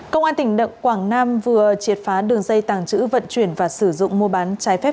công an tỉnh quảng nam vừa triệt phá đường dây tàng trữ vận chuyển và sử dụng mua bán trái phép